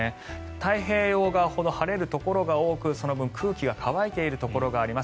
太平洋側ほど晴れるところが多くその分空気が乾いているところがあります。